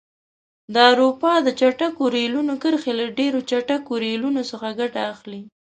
د اروپا د چټکو ریلونو کرښې له ډېرو چټکو ریلونو څخه ګټه اخلي.